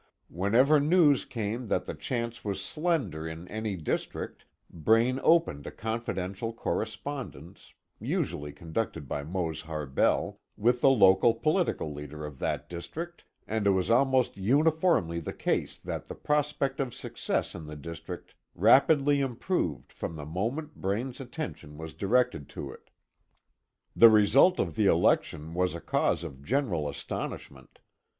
Whenever news came that the chance was slender in any district, Braine opened a confidential correspondence usually conducted by Mose Harbell with the local political leader of that district, and it was almost uniformly the case that the prospect of success in the district rapidly improved from the moment Braine's attention was directed to it. The result of the election was a cause of general astonishment.